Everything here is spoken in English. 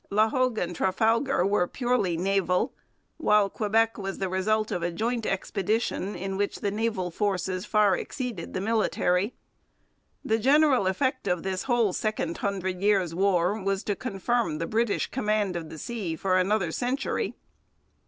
La Hogue and Trafalgar were purely naval; while Quebec was the result of a joint expedition in which the naval forces far exceeded the military. The general effect of this whole Second Hundred Years' War was to confirm the British command of the sea for another century.